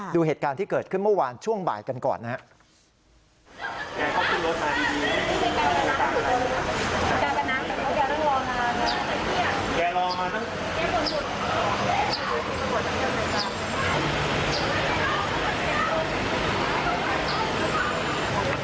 ดูเหตุการณ์ที่เกิดขึ้นเมื่อวานช่วงบ่ายกันก่อนนะครับ